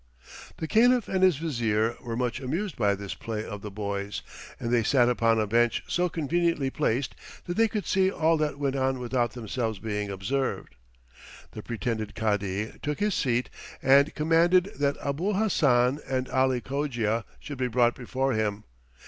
The Caliph and his Vizier were much amused by this play of the boys, and they sat down upon a bench so conveniently placed that they could see all that went on without themselves being observed. The pretended Cadi took his seat and commanded that Abul Hassan and Ali Cogia should be brought before him.